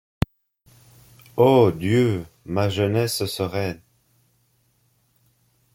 Ô Dieu, ma jeunesse sereine